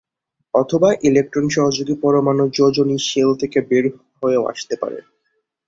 অথবা ইলেকট্রন সহযোগী পরমাণুর যোজনী শেল থেকে বের হয়েও আসতে পারে।